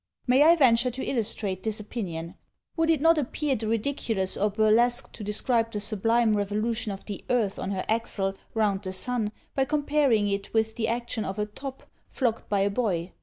May I venture to illustrate this opinion? Would it not appear the ridiculous or burlesque to describe the sublime revolution of the Earth on her axle, round the Sun, by comparing it with the action of a top flogged by a boy?